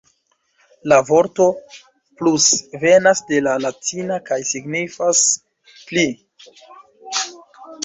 La vorto 'plus' venas de la latina kaj signifas 'pli'.